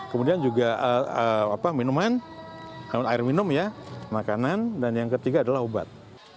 kemudian juga minuman air minum ya makanan dan yang ketiga adalah obat